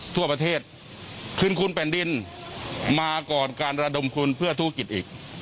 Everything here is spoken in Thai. ทั่วประเทศคืนคุณแผ่นดินมาก่อนการระดมทุนเพื่อธุรกิจอีก